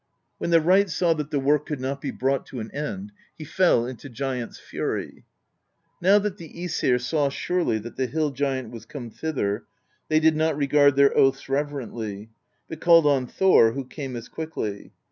When the wright saw that the work could not be brought to an end, he fell into giant's fury. Now that the iEsir saw surely that the hill giant was come thither, they did not regard their oaths reverently, but called on Thor, who came as quickly.